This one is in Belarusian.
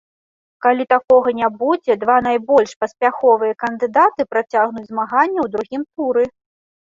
Калі такога не будзе, два найбольш паспяховыя кандыдаты працягнуць змаганне ў другім туры.